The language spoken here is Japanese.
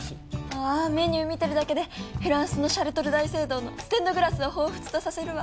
ああメニュー見てるだけでフランスのシャルトル大聖堂のステンドグラスを彷彿とさせるわ。